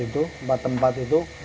empat tempat itu